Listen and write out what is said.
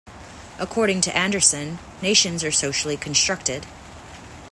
According to Anderson, nations are socially constructed.